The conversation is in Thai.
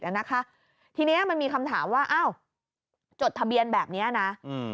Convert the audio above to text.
อ่ะนะคะทีเนี้ยมันมีคำถามว่าอ้าวจดทะเบียนแบบเนี้ยนะอืม